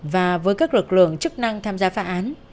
và với các lực lượng chức năng tham gia phá án